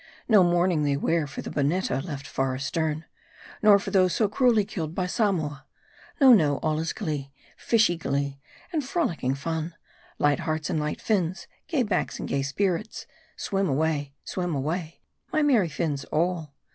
No mourning they wear for the Boneeta left far astern ; nor for those so cruelly killed by Samoa. No, no ; all is glee, fishy glee, and frol icking fun ; light hearts and light fins ; gay backs and gay spirits. Swim away, swim away ! my merry fins all.